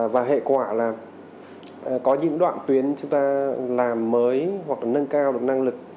và hệ quả là có những đoạn tuyến chúng ta làm mới hoặc là nâng cao được năng lực